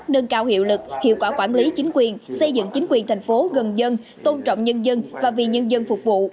nâng cao hiệu lực hiệu quả quản lý chính quyền xây dựng chính quyền thành phố gần dân tôn trọng nhân dân và vì nhân dân phục vụ